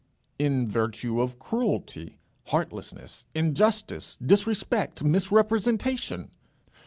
"In virtue of cruelty, heartlessness, injustice, disrespect, misrepresentation?"